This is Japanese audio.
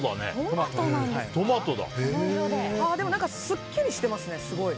でもすっきりしてますね。